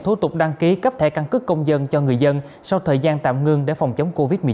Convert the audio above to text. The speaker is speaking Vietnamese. thủ tục đăng ký cấp thẻ căn cước công dân cho người dân sau thời gian tạm ngưng để phòng chống covid một mươi chín